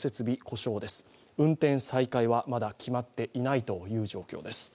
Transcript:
運転再開はまだ決まっていないという状況です。